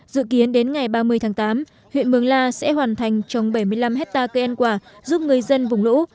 dự kiến đến ngày ba mươi tháng tám huyện mường la sẽ hoàn thành trồng bảy mươi năm hectare cây ăn quả giúp người dân vùng lũ